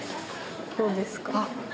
どうですか？